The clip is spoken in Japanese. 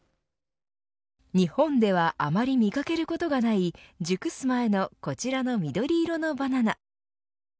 日本ではあまり見かけることがない熟す前のこちらの緑色のバナナ。